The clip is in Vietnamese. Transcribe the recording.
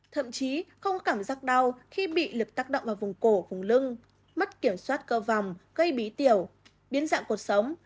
thậm chí không cảm giác đau khi bị lực tác động ở vùng cổ vùng lưng mất kiểm soát cơ vòng gây bí tiểu biến dạng cuộc sống